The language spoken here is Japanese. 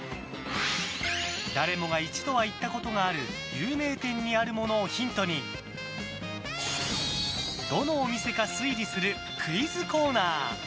誰もが一度は行ったことがある有名店にあるものをヒントにどのお店か推理するクイズコーナー。